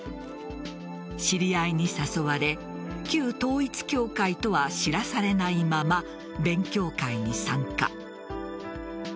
知り合いに誘われ旧統一教会とは知らされないまま勉強会に参加。